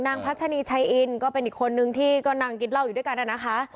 พัชนีชัยอินก็เป็นอีกคนนึงที่ก็นั่งกินเหล้าอยู่ด้วยกันนะคะ